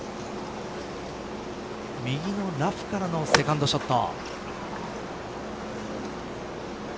右のラフからのセカンドショット。